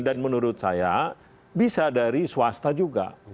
dan menurut saya bisa dari swasta juga